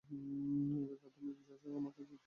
ওরে রাধারানী, যা, যা, আমার কাছ থেকে ছেড়ে যা।